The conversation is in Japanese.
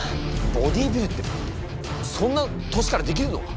ボディービルってそんな年からできるのか？